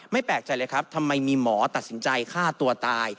แปลกใจเลยครับทำไมมีหมอตัดสินใจฆ่าตัวตาย